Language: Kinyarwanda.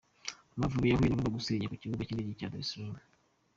Amavubi yahuye n’uruva gusenya ku kibuga cy’indege I Dar es salaam.